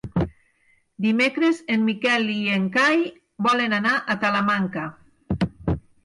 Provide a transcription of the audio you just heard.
Dimecres en Miquel i en Cai volen anar a Talamanca.